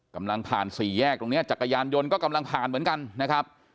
กำลังผ่านสี่แยกตรงนี้จักรยานยนต์ก็กำลังผ่านเหมือนกันนะครับ